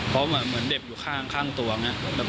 เพราะว่าเหมือนเด็บอยู่ข้างตัวเนี่ย